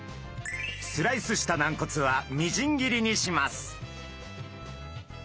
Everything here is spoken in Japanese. スライスした軟骨はみじん切りにします。